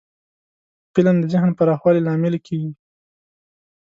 فلم د ذهن پراخوالي لامل کېږي